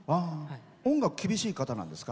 音楽厳しい方なんですか？